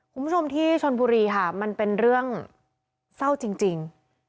คุณผู้ชมที่ชนบุรีค่ะมันเป็นเรื่องเศร้าจริง